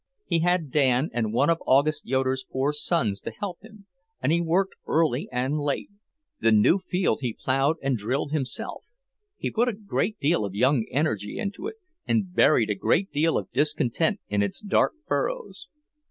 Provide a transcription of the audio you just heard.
He had Dan and one of August Yoeder's four sons to help him, and he worked early and late. The new field he ploughed and drilled himself. He put a great deal of young energy into it, and buried a great deal of discontent in its dark furrows.